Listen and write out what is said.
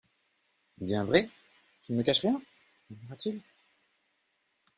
Bien vrai ? tu ne me caches rien ? murmura-t-il.